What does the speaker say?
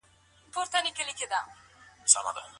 اوس د نړۍ ماشومان ګټه اخلي.